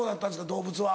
動物は。